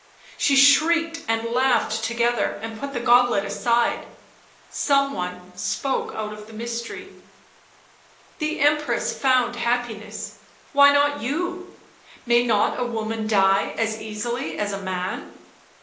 She shrieked and laughed together, and put the goblet aside. Some one spoke out of the mystery. " The Empress found happiness — why not you? — may not a woman die as easily as a man?"